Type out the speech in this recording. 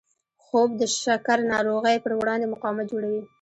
خوب د شکر ناروغۍ پر وړاندې مقاومت جوړوي